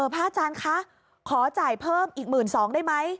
พระอาจารย์คะขอจ่ายเพิ่มอีก๑๒๐๐ได้ไหม